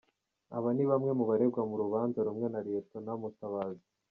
Aba ni bamwe mu baregwa mu rubanza rumwe na Lt Mutabazi.